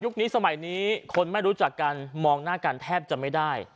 สมัยนี้คนไม่รู้จักกันมองหน้ากันแทบจะไม่ได้